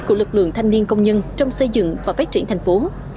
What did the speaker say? của lực lượng thanh niên công nhân trong xây dựng và phát triển thành phố